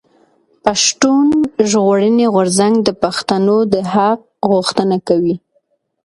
پښتون ژغورنې غورځنګ د پښتنو د حق غوښتنه کوي.